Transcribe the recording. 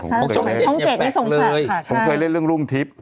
ช่องเจ็ดช่องเจ็ดให้ส่งฝากค่ะใช่ผมเคยเล่นเรื่องรุ่งทริป